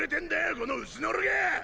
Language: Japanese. このウスノロが！